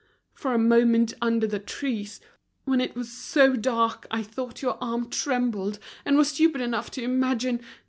For a moment under the trees, when it was so dark, I thought your arm trembled, and was stupid enough to imagine.